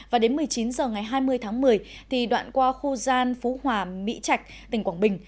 và đến một mươi chín h ngày hai mươi tháng một mươi đoạn qua khu gian phú hòa mỹ trạch tỉnh quảng bình